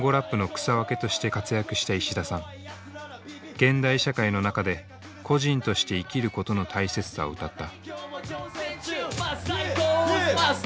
現代社会の中で個人として生きることの大切さを歌った。